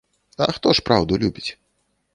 А хто ж праўду любіць?